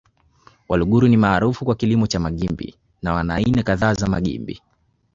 Waluguru ni maarufu kwa kilimo cha magimbi na wana aina kadhaa za magimbi